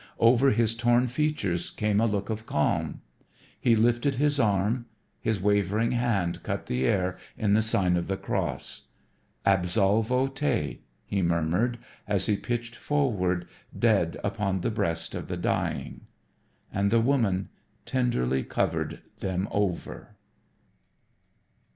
Over his torn features came a look of calm. He lifted his arm. His wavering hand cut the air in the sign of the cross. "Absolvo te," he murmured as he pitched forward dead upon the breast of the dying. And the woman tenderly covered them over.